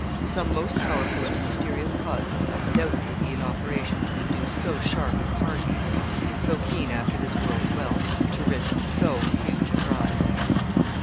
Some most powerful and mysterious cause must undoubtedly be in operation to induce so sharp a 'party,' so keen after this world's wealth, to risk so huge a prize.